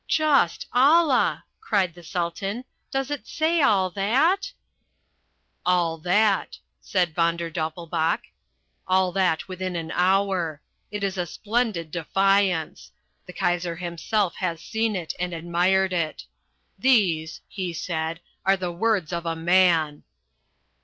"Just Allah!" cried the Sultan. "Does it say all that?" "All that," said Von der Doppelbauch. "All that within an hour. It is a splendid defiance. The Kaiser himself has seen it and admired it. 'These,' he said, 'are the words of a man!'"